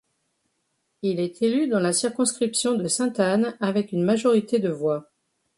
Il est élu dans la circonscription de Sainte-Anne avec une majorité de voix.